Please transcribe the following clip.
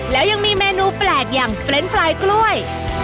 แล้วยังมีเมนูแปลกอย่างเฟรนด์ไฟล์กล้วย